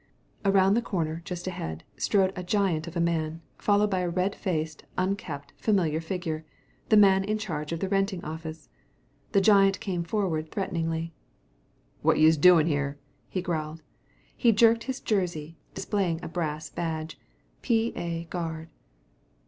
Around the corner, just ahead, strode a giant of a man, followed by a red faced, unkempt, familiar figure the man in charge of the renting office. The giant came forward threateningly. "What youse doing?" he growled. He jerked his jersey, displaying a brass badge, P. A. Guard.